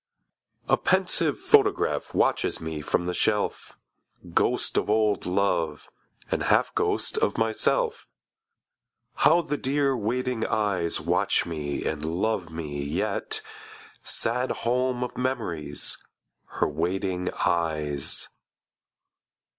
A PENSIVE photograph Watches me from the shelf: Ghost of old love, and half Ghost of myself! How the dear waiting eyes Watch me and love me yet: Sad home of memories, Her waiting eyes!